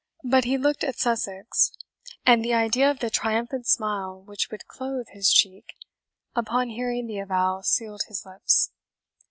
But he looked at Sussex, and the idea of the triumphant smile which would clothe his cheek upon hearing the avowal sealed his lips.